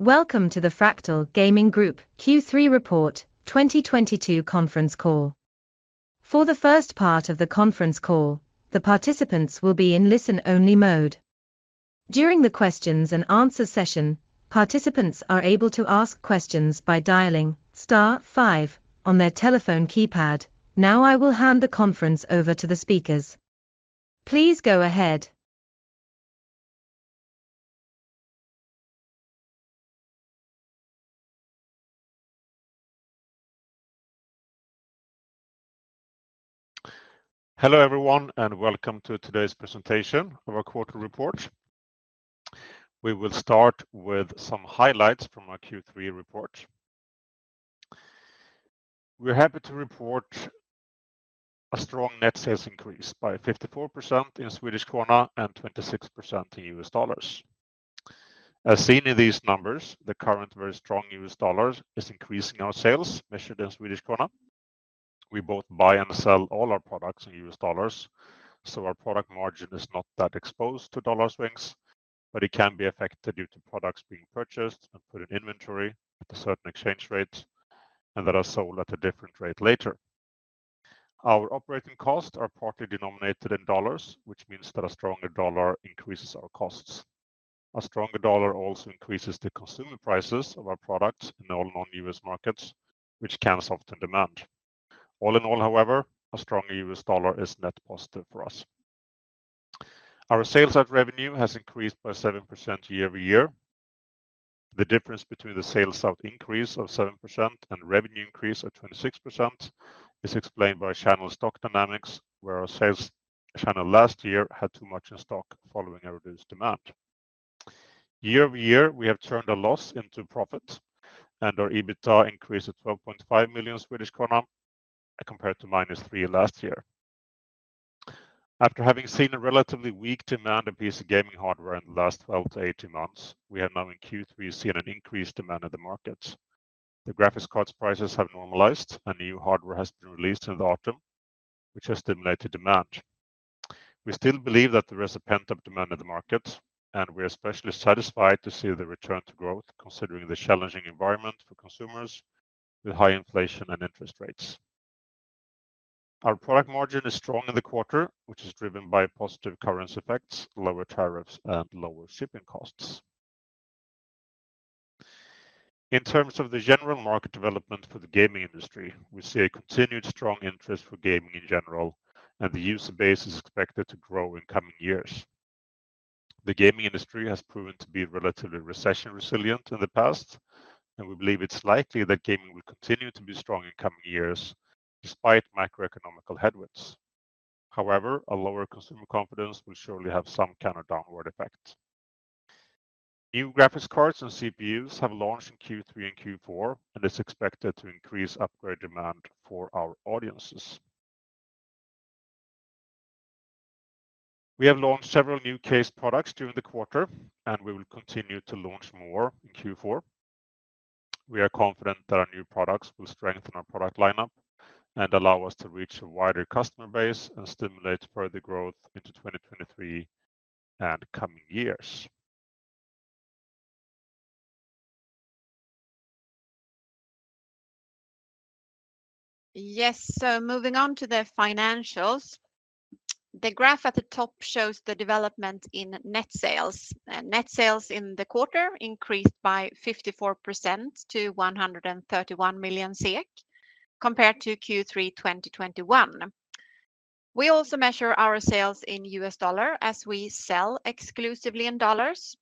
Welcome to the Fractal Gaming Group Q3 Report 2022 Conference Call. For the first part of the conference call, the participants will be in listen-only mode. During the questions-and-answers session, participants are able to ask questions by dialing star five on their telephone keypad. Now I will hand the conference over to the speakers. Please go ahead. Hello everyone, and welcome to today's presentation of our quarter report. We will start with some highlights from our Q3 report. We're happy to report a strong net sales increase by 54% in Swedish krona and 26% in U.S. dollars. As seen in these numbers, the current very strong U.S. dollar is increasing our sales measured in Swedish krona. We both buy and sell all our products in U.S. dollars, so our product margin is not that exposed to dollar swings, but it can be affected due to products being purchased and put in inventory at a certain exchange rate and that are sold at a different rate later. Our operating costs are partly denominated in dollars, which means that a stronger dollar increases our costs. A stronger dollar also increases the consumer prices of our products in all non-U.S. markets, which can soften demand. All in all, however, a strong U.S dollars is net positive for us. Our sales out revenue has increased by 7% year-over-year. The difference between the sales out increase of 7% and revenue increase of 26% is explained by channel stock dynamics where our sales channel last year had too much stock following everyday demand. Year-over-year we have turned a loss into profit and our EBITDA increased at 12.5 million Swedish krona compared to -3 last year. After having seen a relatively weak to none of these gaming hardware in the last 12-18 months, we are now in Q3 and we see an increased demand in the markets. The graphic card's prices have normalized, the new hardware has been released as often which has stimulated demand. We still believe that there is a pent-up demand in the market, and we're especially satisfied to see the return to growth considering the challenging environment for consumers with high inflation and interest rates. Our product margin is strong in the quarter, which is driven by positive currency effects, lower tariffs, and lower shipping costs. In terms of the general market development for the gaming industry, we see a continued strong interest for gaming in general and the user base is expected to grow in coming years. The gaming industry has proven to be relatively recession-resilient in the past, and we believe it's likely that gaming will continue to be strong in coming years despite macroeconomic headwinds. However, a lower consumer confidence will surely have some kind of downward effect. New graphics cards and CPUs have launched in Q3 and Q4, and it's expected to increase upgrade demand for our audiences. We have launched several new case products during the quarter, and we will continue to launch more in Q4. We are confident that our new products will strengthen our product lineup and allow us to reach a wider customer base and stimulate further growth into 2023 and coming years. Yes. Moving on to the financials. The graph at the top shows the development in net sales. Net sales in the quarter increased by 54% to 131 million compared to Q3 2021. We also measure our sales in U.S. dollar as we sell exclusively in dollars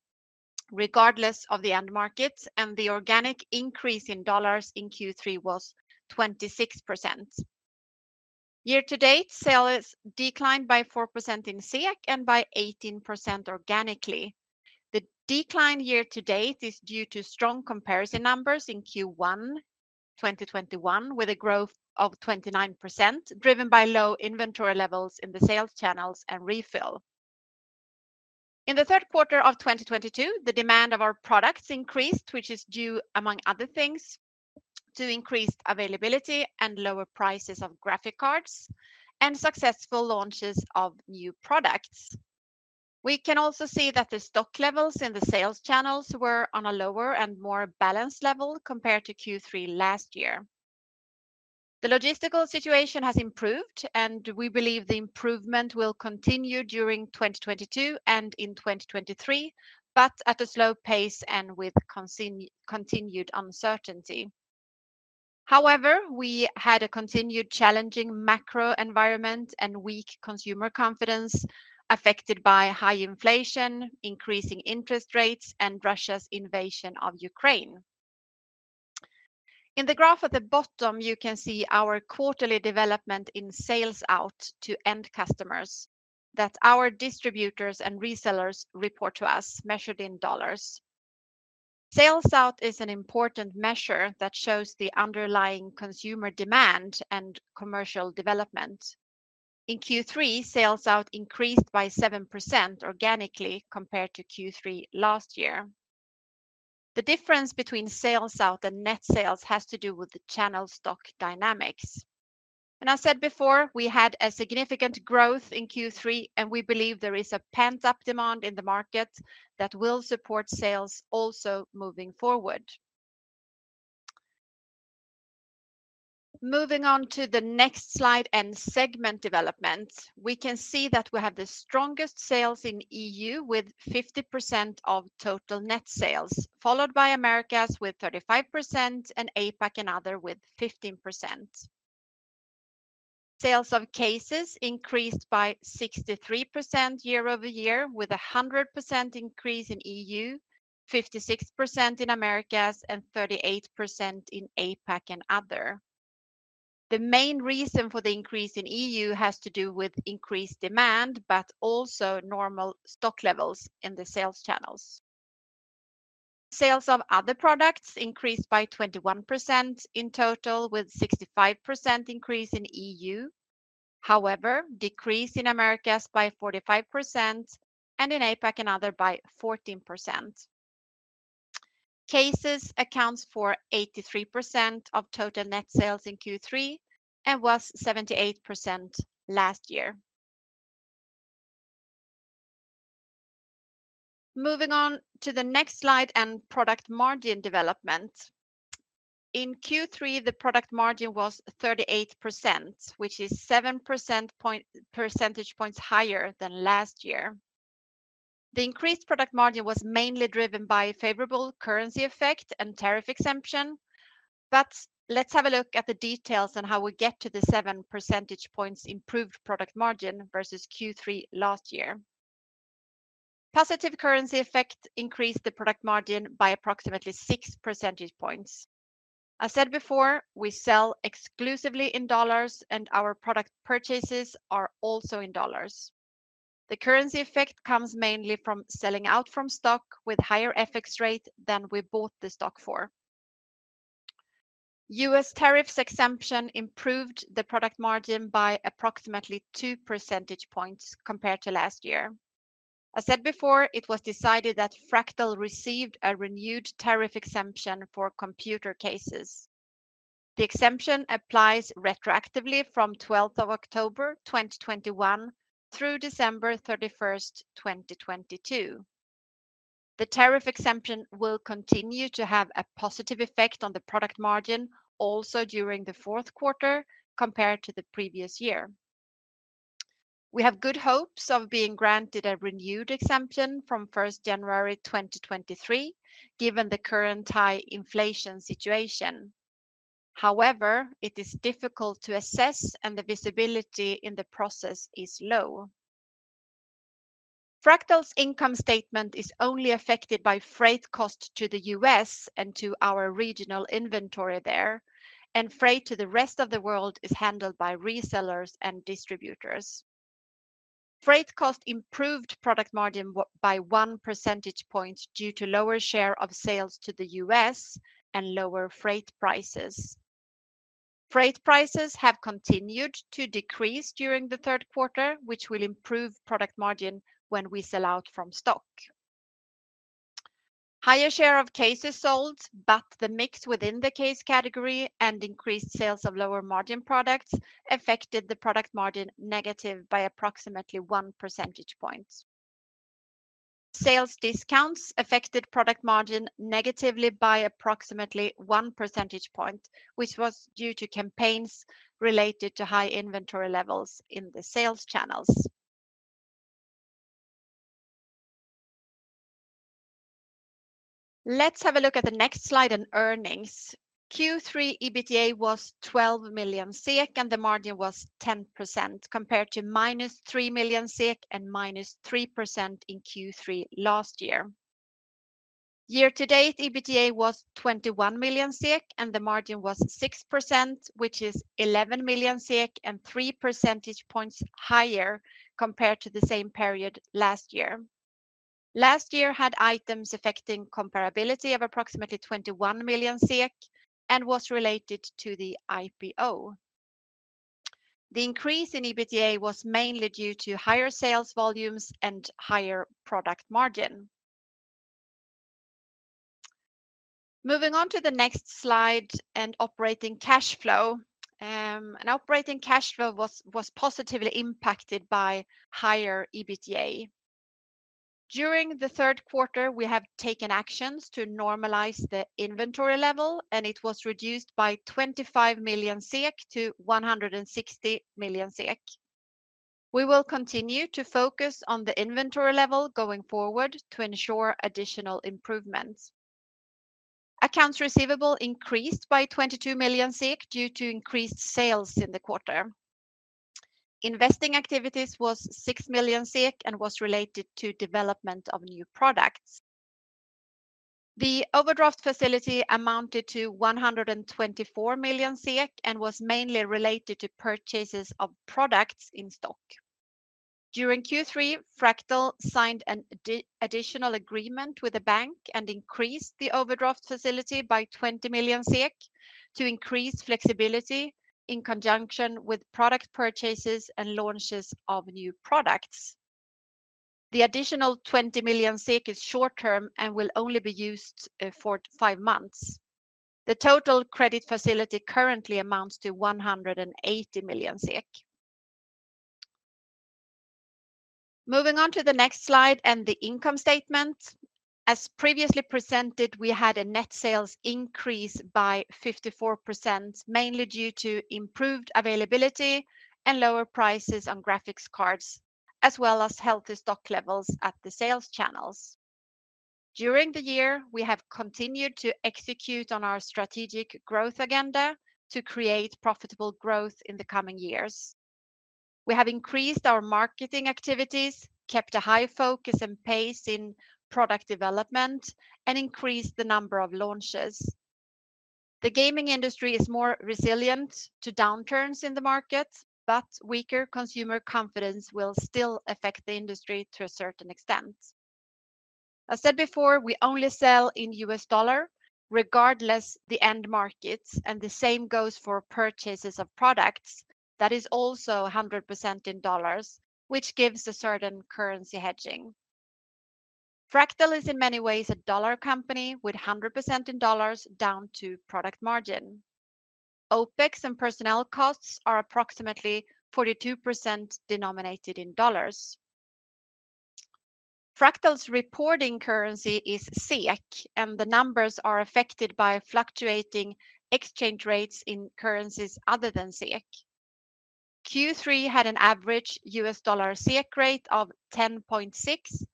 regardless of the end markets, and the organic increase in dollars in Q3 was 26%. Year to date, sales declined by 4% in SEK and by 18% organically. The decline year to date is due to strong comparison numbers in Q1 2021 with a growth of 29% driven by low inventory levels in the sales channels and refill. In the third quarter of 2022, the demand of our products increased, which is due among other things to increased availability and lower prices of graphic cards and successful launches of new products. We can also see that the stock levels in the sales channels were on a lower and more balanced level compared to Q3 last year. The logistical situation has improved, and we believe the improvement will continue during 2022 and in 2023, but at a slow pace and with continued uncertainty. However, we had a continued challenging macro environment and weak consumer confidence affected by high inflation, increasing interest rates, and Russia's invasion of Ukraine. In the graph at the bottom, you can see our quarterly development in sales out to end customers that our distributors and resellers report to us measured in dollars. Sales out is an important measure that shows the underlying consumer demand and commercial development. In Q3, sales out increased by 7% organically compared to Q3 last year. The difference between sales out and net sales has to do with the channel stock dynamics. I said before, we had a significant growth in Q3, and we believe there is a pent-up demand in the market that will support sales also moving forward. Moving on to the next slide and segment development, we can see that we have the strongest sales in E.U. With 50% of total net sales, followed by Americas with 35% and APAC and other with 15%. Sales of cases increased by 63% year-over-year with a 100% increase in E.U., 56% in Americas and 38% in APAC and other. The main reason for the increase in E.U. Has to do with increased demand, but also normal stock levels in the sales channels. Sales of other products increased by 21% in total with 65% increase in E.U. However, decrease in Americas by 45% and in APAC and other by 14%. Cases accounts for 83% of total net sales in Q3 and was 78% last year. Moving on to the next slide and product margin development. In Q3, the product margin was 38%, which is 7 percentage points higher than last year. The increased product margin was mainly driven by favorable currency effect and tariff exemption. Let's have a look at the details on how we get to the 7 percentage points improved product margin versus Q3 last year. Positive currency effect increased the product margin by approximately 6 percentage points. I said before, we sell exclusively in dollars, and our product purchases are also in dollars. The currency effect comes mainly from selling out from stock with higher FX rate than we bought the stock for. U.S. tariffs exemption improved the product margin by approximately 2 percentage points compared to last year. I said before, it was decided that Fractal received a renewed tariff exemption for computer cases. The exemption applies retroactively from 12th of October, 2021 through December 31st, 2022. The tariff exemption will continue to have a positive effect on the product margin also during the fourth quarter compared to the previous year. We have good hopes of being granted a renewed exemption from 1st January, 2023, given the current high inflation situation. However, it is difficult to assess, and the visibility in the process is low. Fractal's income statement is only affected by freight cost to the U.S. and to our regional inventory there, and freight to the rest of the world is handled by resellers and distributors. Freight cost improved product margin by 1 percentage point due to lower share of sales to the U.S. and lower freight prices. Freight prices have continued to decrease during the third quarter, which will improve product margin when we sell out from stock. Higher share of cases sold, but the mix within the case category and increased sales of lower margin products affected the product margin negatively by approximately 1 percentage point. Sales discounts affected product margin negatively by approximately 1 percentage point, which was due to campaigns related to high inventory levels in the sales channels. Let's have a look at the next slide in earnings. Q3 EBITDA was 12 million, and the margin was 10% compared to minus 3 million and -3% in Q3 last year. Year to date, EBITDA was 21 million, and the margin was 6%, which is 11 million and 3 percentage points higher compared to the same period last year. Last year had items affecting comparability of approximately 21 million and was related to the IPO. The increase in EBITDA was mainly due to higher sales volumes and higher product margin. Moving on to the next slide and operating cash flow. Um, and operating cash flow was positively impacted by higher EBITDA. During the third quarter, we have taken actions to normalize the inventory level, and it was reduced by 25 million to 160 million. We will continue to focus on the inventory level going forward to ensure additional improvements. Accounts receivable increased by 22 million due to increased sales in the quarter. Investing activities was 6 million and was related to development of new products. The overdraft facility amounted to 124 million and was mainly related to purchases of products in stock. During Q3, Fractal signed an additional agreement with the bank and increased the overdraft facility by 20 million SEK to increase flexibility in conjunction with product purchases and launches of new products. The additional 20 million is short term and will only be used four to five months. The total credit facility currently amounts to 180 million SEK. Moving on to the next slide and the income statement. As previously presented, we had a net sales increase by 54%, mainly due to improved availability and lower prices on graphics cards, as well as healthy stock levels at the sales channels. During the year, we have continued to execute on our strategic growth agenda to create profitable growth in the coming years. We have increased our marketing activities, kept a high focus and pace in product development, and increased the number of launches. The gaming industry is more resilient to downturns in the market, but weaker consumer confidence will still affect the industry to a certain extent. As said before, we only sell in U.S. dollar regardless the end markets, and the same goes for purchases of products that is also 100% in dollars, which gives a certain currency hedging. Fractal is in many ways a dollar company with 100% in dollars down to product margin. OpEx and personnel costs are approximately 42% denominated in dollars. Fractal's reporting currency is SEK, and the numbers are affected by fluctuating exchange rates in currencies other than SEK. Q3 had an average U.S. dollar SEK rate of 10.6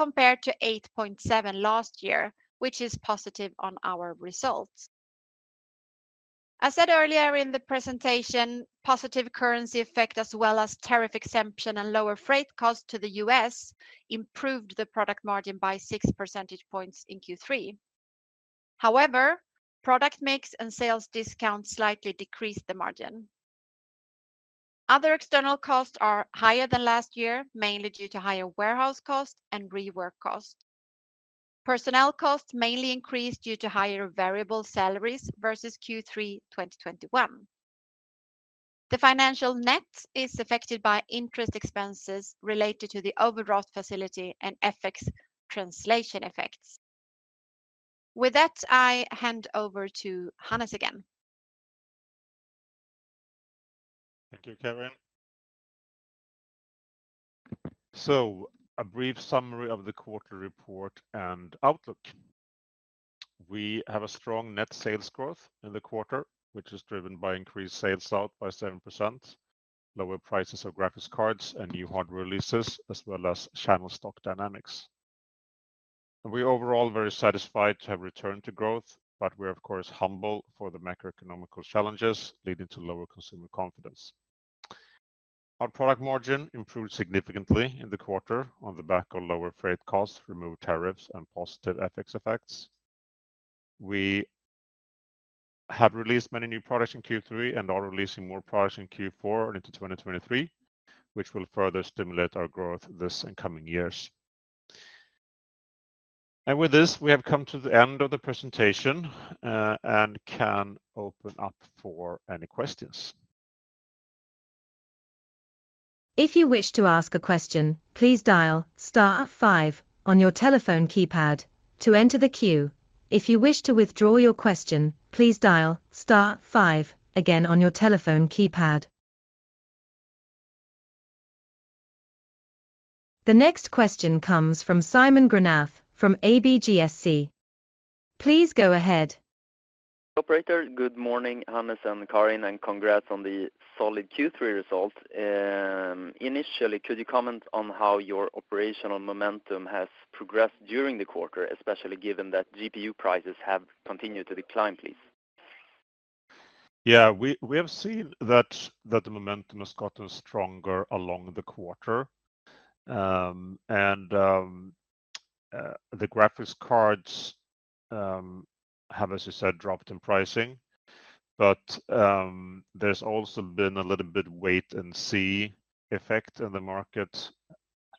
compared to 8.7 last year, which is positive on our results. As said earlier in the presentation, positive currency effect as well as tariff exemption and lower freight cost to the U.S. improved the product margin by 6 percentage points in Q3. However, product mix and sales discount slightly decreased the margin. Other external costs are higher than last year, mainly due to higher warehouse costs and rework costs. Personnel costs mainly increased due to higher variable salaries versus Q3 2021. The financial net is affected by interest expenses related to the overdraft facility and FX translation effects. With that, I hand over to Hannes again. Thank you, Karin. A brief summary of the quarterly report and outlook. We have a strong net sales growth in the quarter, which is driven by increased sales out by 7%, lower prices of graphics cards, and new hardware releases, as well as channel stock dynamics. We are overall very satisfied to have returned to growth, but we're of course humble for the macroeconomic challenges leading to lower consumer confidence. Our product margin improved significantly in the quarter on the back of lower freight costs, removed tariffs, and positive FX effects. We have released many new products in Q3 and are releasing more products in Q4 and into 2023, which will further stimulate our growth this and coming years. With this, we have come to the end of the presentation and can open up for any questions. If you wish to ask a question, please dial star five on your telephone keypad to enter the queue. If you wish to withdraw your question, please dial star five again on your telephone keypad. The next question comes from Simon Granath from ABGSC. Please go ahead. Operator, good morning, Hannes and Karin, and congrats on the solid Q3 results. Initially, could you comment on how your operational momentum has progressed during the quarter, especially given that GPU prices have continued to decline, please? Yeah. We have seen that the momentum has gotten stronger along the quarter. The graphics cards have, as you said, dropped in pricing. There's also been a little bit wait and see effect in the market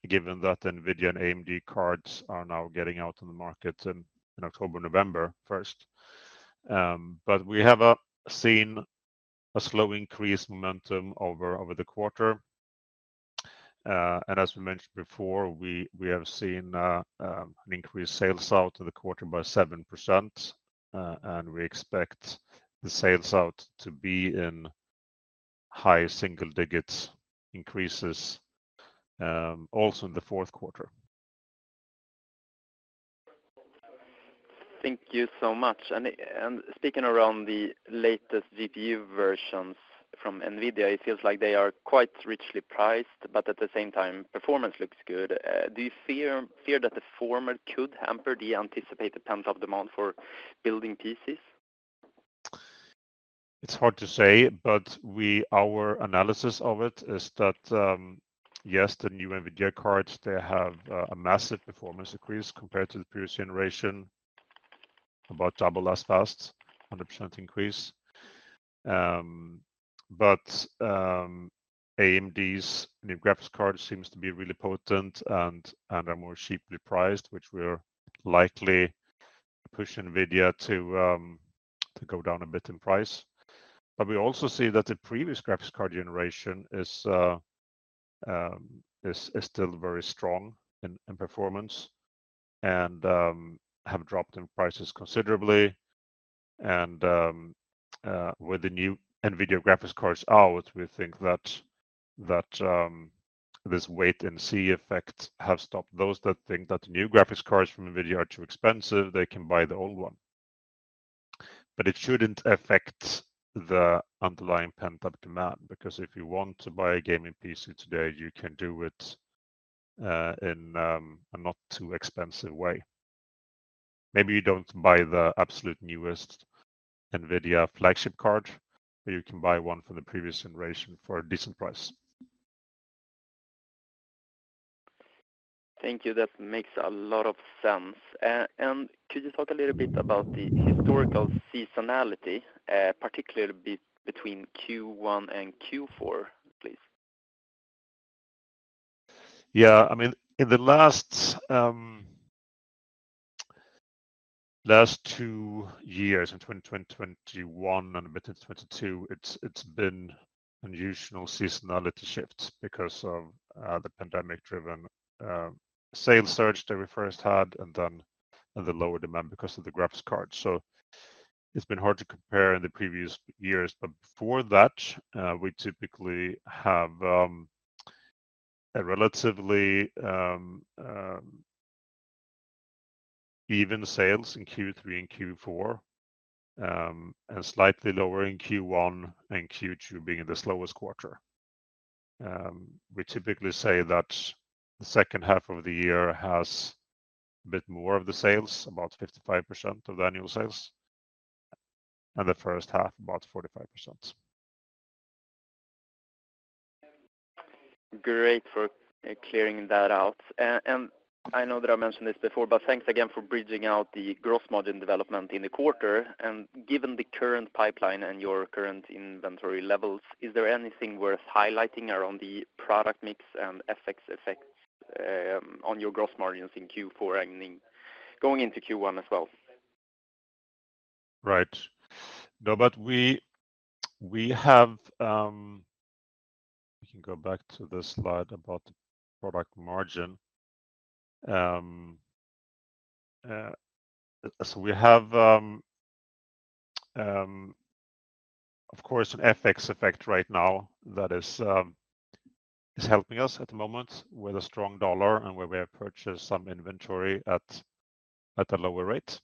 given that NVIDIA and AMD cards are now getting out in the market in October, November 1st. We have seen a slow increase momentum over the quarter. As we mentioned before, we have seen an increased sales out of the quarter by 7%, and we expect the sales out to be in high single digits increases also in the fourth quarter. Thank you so much. Speaking around the latest GPU versions from NVIDIA, it feels like they are quite richly priced, but at the same time performance looks good. Do you fear that the former could hamper the anticipated pent-up demand for building PCs? It's hard to say, but our analysis of it is that, yes, the new NVIDIA cards, they have a massive performance increase compared to the previous generation, about double as fast, 100% increase. AMD's new graphics card seems to be really potent and are more cheaply priced, which will likely push NVIDIA to go down a bit in price. We also see that the previous graphics card generation is still very strong in performance and have dropped in prices considerably. With the new NVIDIA graphics cards out, we think that this wait-and-see effect have stopped those that think that the new graphics cards from NVIDIA are too expensive, they can buy the old one. It shouldn't affect the underlying pent-up demand, because if you want to buy a gaming PC today, you can do it in a not too expensive way. Maybe you don't buy the absolute newest NVIDIA flagship card, but you can buy one from the previous generation for a decent price. Thank you. That makes a lot of sense. Could you talk a little bit about the historical seasonality, particularly between Q1 and Q4, please? Yeah. I mean, in the last two years, in 2021 and a bit in 2022, it's been unusual seasonality shifts because of the pandemic-driven sales surge that we first had and then the lower demand because of the graphics card. It's been hard to compare in the previous years. Before that, we typically have a relatively even sales in Q3 and Q4 and slightly lower in Q1 and Q2 being the slowest quarter. We typically say that the second half of the year has a bit more of the sales, about 55% of annual sales, and the first half, about 45%. Great for clearing that out. I know that I mentioned this before, but thanks again for bridging out the gross margin development in the quarter. Given the current pipeline and your current inventory levels, is there anything worth highlighting around the product mix and FX effect on your gross margins in Q4 ending, going into Q1 as well? Right. No. We can go back to the slide about product margin. We have, of course, an FX effect right now that is helping us at the moment with a strong dollar and where we have purchased some inventory at a lower rate.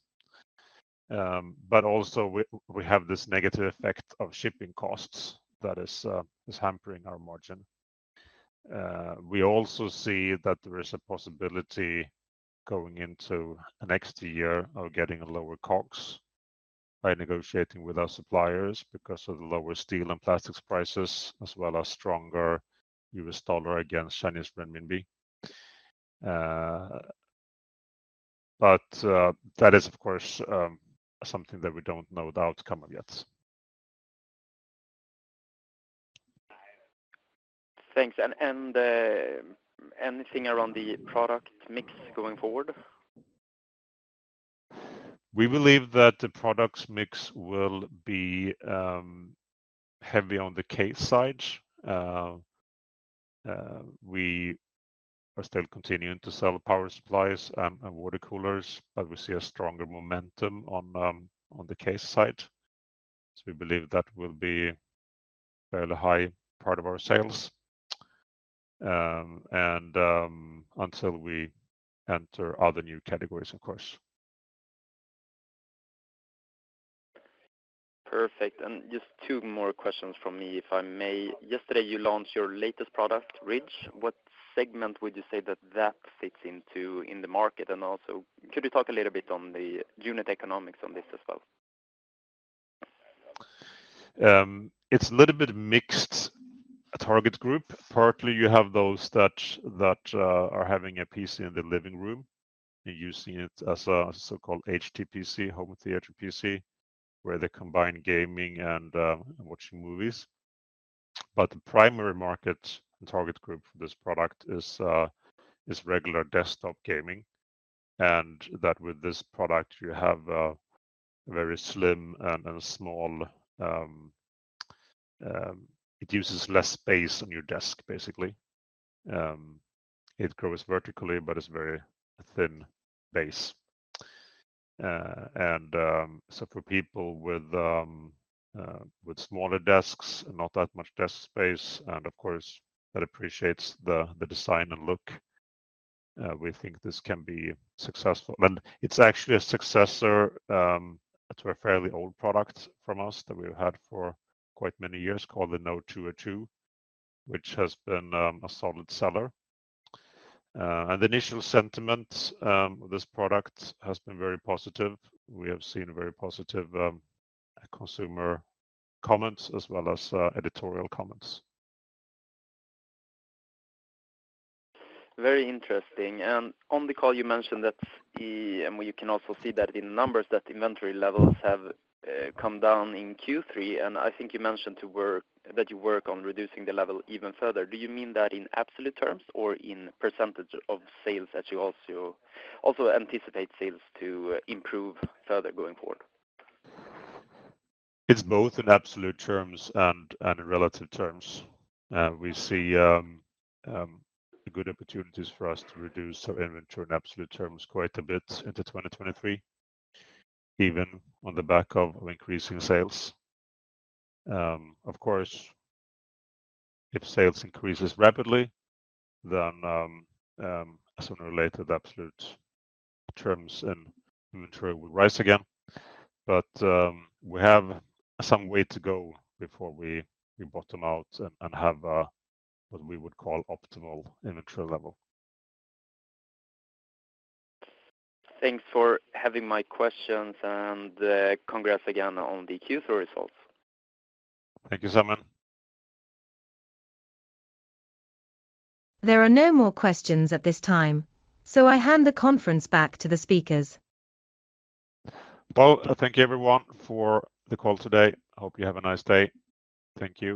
Also we have this negative effect of shipping costs that is hampering our margin. We also see that there is a possibility going into the next year of getting a lower COGS by negotiating with our suppliers because of the lower steel and plastics prices, as well as stronger U.S. dollar against Chinese renminbi. That is, of course, something that we don't know the outcome of yet. Thanks. Anything around the product mix going forward? We believe that the products mix will be heavy on the case side. We are still continuing to sell power supplies and water coolers, but we see a stronger momentum on the case side. We believe that will be a fairly high part of our sales. Until we enter other new categories, of course. Perfect. Just two more questions from me, if I may. Yesterday, you launched your latest product, Ridge. What segment would you say that fits into in the market? Also, could you talk a little bit on the unit economics on this as well? It's a little bit mixed target group. Partly, you have those that are having a PC in the living room and using it as a so-called HTPC, home theater PC, where they combine gaming and watching movies. The primary market and target group for this product is regular desktop gaming. With this product, you have a very slim and small. It uses less space on your desk, basically. It grows vertically, but it's very thin base. For people with smaller desks and not that much desk space, and of course, that appreciates the design and look, we think this can be successful. It's actually a successor to a fairly old product from us that we've had for quite many years called the Node 202, which has been a solid seller. The initial sentiment of this product has been very positive. We have seen very positive consumer comments as well as editorial comments. Very interesting. You can also see that in numbers, that inventory levels have come down in Q3. I think you mentioned that you work on reducing the level even further. Do you mean that in absolute terms or in percentage of sales that you also anticipate sales to improve further going forward? It's both in absolute terms and in relative terms. We see good opportunities for us to reduce our inventory in absolute terms quite a bit into 2023, even on the back of increasing sales. Of course, if sales increases rapidly, then, in relative, absolute terms and inventory will rise again. We have some way to go before we bottom out and have what we would call optimal inventory level. Thanks for having my questions, and congrats again on the Q3 results. Thank you, Simon. There are no more questions at this time, so I hand the conference back to the speakers. Well, thank you everyone for the call today. Hope you have a nice day. Thank you.